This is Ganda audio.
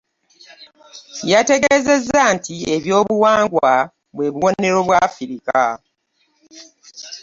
Yategeezezza nti eby'obuwangwa bwe buwonero bwa Afirika.